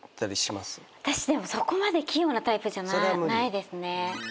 私でもそこまで器用なタイプじゃないですね。